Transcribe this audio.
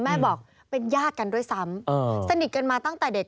แม่บอกเป็นญาติกันด้วยซ้ำสนิทกันมาตั้งแต่เด็ก